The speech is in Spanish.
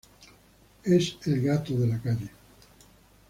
Es "el Gato" de la St.